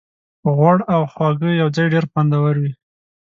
غوړ او خوږه یوځای ډېر خوندور وي.